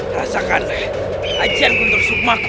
rasakanlah ajar kundur sukmaku